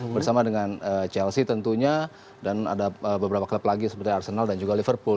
bersama dengan chelsea tentunya dan ada beberapa klub lagi seperti arsenal dan juga liverpool